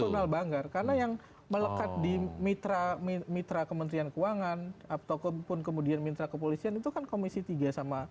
internal banggar karena yang melekat di mitra kementerian keuangan atau pun kemudian mitra kepolisian itu kan komisi tiga sama